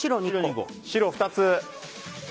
白２つ。